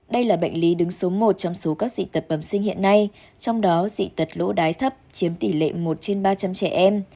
đây là bệnh lý đứng số một trong số các dị tật bẩm sinh hiện nay trong đó dị tật lỗ đái thấp chiếm tỷ lệ một trên ba trăm linh trẻ em